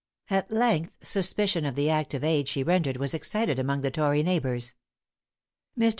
At length suspicion of the active aid she rendered was excited among the tory neighbors. Mr.